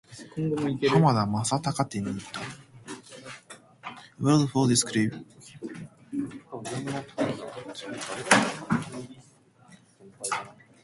浜田雅功展に行った。